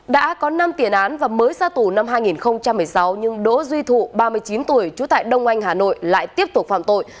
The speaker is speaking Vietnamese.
đã có năm tiền án và mới ra tù năm hai nghìn một mươi sáu nhưng đỗ duy thụ ba mươi chín tuổi trú tại đông anh hà nội lại tiếp tục phạm tội